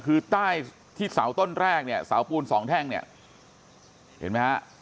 คือใต้ที่เสาต้นแรกเนี่ยเสาปูนสองแท่งเนี่ยเห็นไหมฮะ